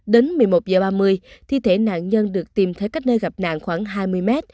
đến một mươi một h ba mươi thi thể nạn nhân được tìm thấy cách nơi gặp nạn khoảng hai mươi m